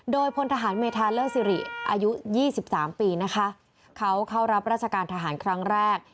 โดยพลทหารเมธาเลอร์สิริอายุ๒๓ปีนะคะเขาเข้ารับราชการทหารครั้งแรก